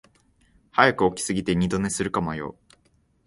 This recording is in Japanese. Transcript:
早く起きすぎて二度寝するか迷う